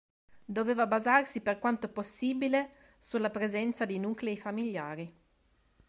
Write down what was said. Doveva basarsi per quanto possibile sulla presenza di nuclei familiari.